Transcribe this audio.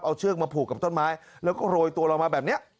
เอาเชือกมาผูกกับต้นไม้แล้วก็โรยตัวเรามาแบบนี้